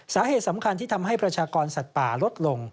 สาเหตุสำคัญที่ทำให้ประชากรสัตว์ป่าลดลง